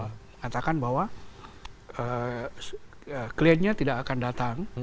mengatakan bahwa kliennya tidak akan datang